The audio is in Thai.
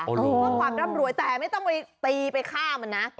เพื่อความร่ำรวยแต่ไม่ต้องไปตีไปฆ่ามันนะ